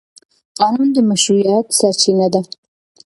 قانون د مشروعیت سرچینه ده.